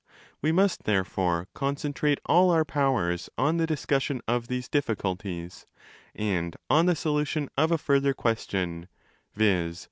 We must therefore concentrate all our powers on the discussion of these difficulties and on the solution of a further question—viz.